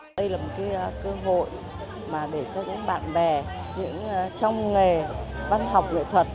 đây là một cái cơ hội mà để cho những bạn bè trong nghề văn học nghệ thuật